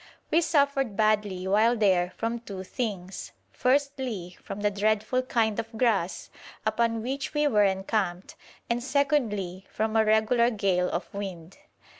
We suffered badly while there from two things; firstly from the dreadful kind of grass upon which we were encamped, and secondly from a regular gale of wind.